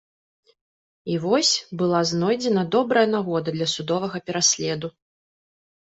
І вось была знойдзена добрая нагода для судовага пераследу.